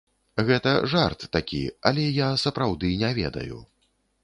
Гэта жарт такі, але я, сапраўды, не ведаю.